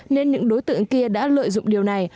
nên những đối tượng kia đã lợi dụng điều này